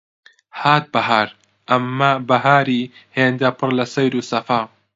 هات بەهار، ئەمما بەهاری هێندە پڕ سەیر و سەفا